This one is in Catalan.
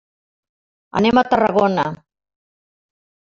Anem a Tarragona.